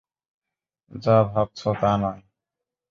যা ভাবছো তা নয়।